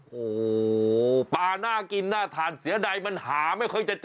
โอ้โหปลาน่ากินน่าทานเสียใดมันหาไม่ค่อยจะเจอ